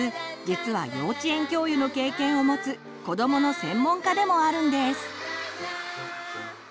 実は幼稚園教諭の経験をもつ子どもの専門家でもあるんです。